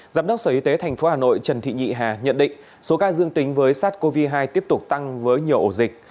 giám đốc sở y tế tp hà nội trần thị nhị hà nhận định số ca dương tính với sars cov hai tiếp tục tăng với nhiều ổ dịch